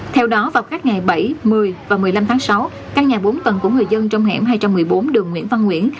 theo đó vào các ngày bảy một mươi và một mươi năm tháng sáu căn nhà bốn tầng của người dân trong hẻm hai trăm một mươi bốn đường nguyễn văn nguyễn